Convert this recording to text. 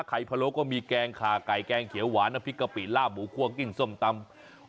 ไข่พะโลก็มีแกงคาไก่แกงเขียวหวานพริกกะปิลาบหมูควงกินส้มตำ